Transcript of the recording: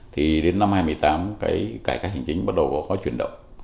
thì đến năm hai nghìn một mươi tám cái cải cách hành chính bắt đầu có khó chuyển động